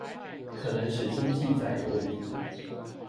可能史書記載有問題